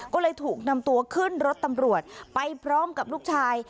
ก็เลยถูกนำตัวขึ้นรถตำรวจไปพร้อมกับลูกชาย